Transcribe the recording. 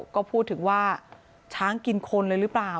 ก็พูดถึงว่าช้างกินคนเลยหรือเปล่า